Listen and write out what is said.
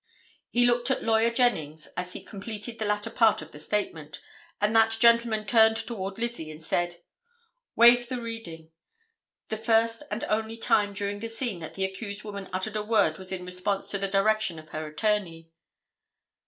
He looked at Lawyer Jennings as he completed the latter part of the statement, and that gentleman turned toward Lizzie and said: "Waive the reading." The first and only time during the scene that the accused woman uttered a word was in response to the direction of her attorney.